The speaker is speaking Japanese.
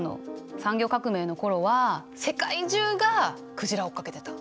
産業革命の頃は世界中が鯨を追っかけてたの。